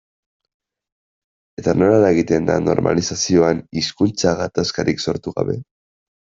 Eta nola eragiten da normalizazioan hizkuntza gatazkarik sortu gabe?